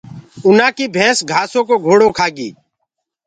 اُنآ ڪي ڀينس گھآسو ڪو گھوڙو کآگي۔